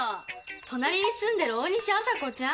隣に住んでる大西麻子ちゃん。